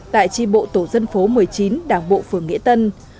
tại tri bộ tổ dân phố một mươi chín đảng bộ phường nghĩa tân